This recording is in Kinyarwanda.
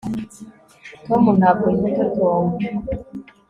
tom ntabwo yitotomba